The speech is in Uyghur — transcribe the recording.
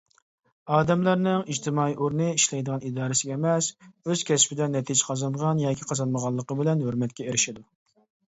ئادەملەرنىڭ ئىجتىمائىي ئورنى ئىشلەيدىغان ئىدارىسىگە ئەمەس، ئۆز كەسپىدە نەتىجە قازانغان ياكى قازانمىغانلىقى بىلەن ھۆرمەتكە ئېرىشىدۇ.